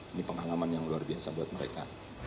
ini pengalaman yang luar biasa buat mereka